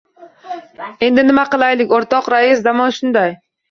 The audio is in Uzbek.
— Endi, nima qilaylik, o‘rtoq rais? Zamon shunday!